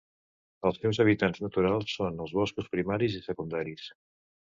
Els seus hàbitats naturals són els boscos primaris i secundaris.